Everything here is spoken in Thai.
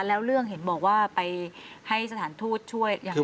แล้วเรื่องเห็นบอกว่าไปให้สถานทูตช่วยยังไง